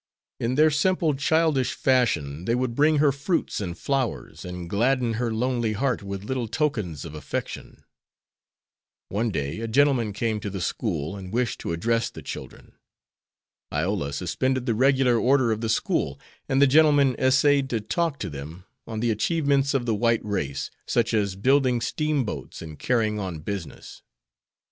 In their simple childish fashion they would bring her fruits and flowers, and gladden her lonely heart with little tokens of affection. One day a gentleman came to the school and wished to address the children. Iola suspended the regular order of the school, and the gentleman essayed to talk to them on the achievements of the white race, such as building steamboats and carrying on business.